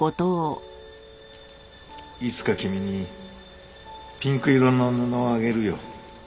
いつか君にピンク色の布をあげるよ。